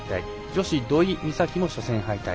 女子、土居美咲も初戦敗退。